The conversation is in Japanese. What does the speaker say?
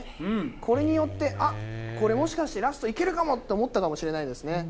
これによって、あっ、これ、もしかして、ラストいけるかもと思ったかもしれないですね。